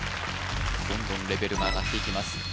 どんどんレベルが上がっていきます